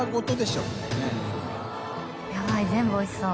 ヤバイ全部おいしそう。